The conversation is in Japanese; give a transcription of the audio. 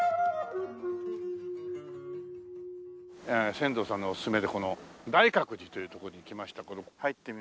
船頭さんのおすすめでこの大覚寺という所に来ましたけども入ってみましょう。